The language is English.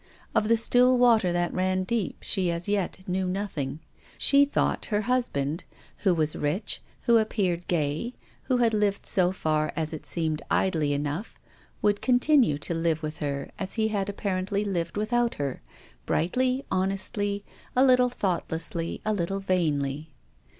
Of the still water that ran deep she as yet knew nothing. Siie thought her husband, who was rich, who appeared gay, who had lived so far, as it seemed, idly enough, would continue to live with her, as he had apparently lived with out her, brightly, honestly, a little thoughtlessly, a little vainly.